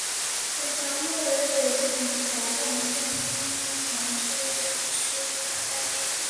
本条目为北宋曹洞宗心空禅师的祖师塔概述。